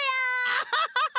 アハハハ！